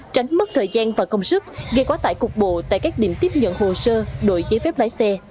tránh mất thời gian và công sức gây quá tải cục bộ tại các điểm tiếp nhận hồ sơ đổi giấy phép lái xe